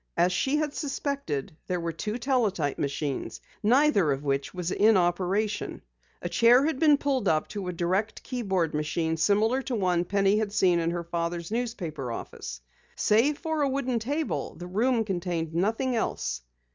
As she had suspected, there were two teletype machines, neither of which was in operation. A chair had been pulled up to a direct keyboard machine similar to one Penny had seen in her father's newspaper office. Save for a wooden table the room contained nothing else.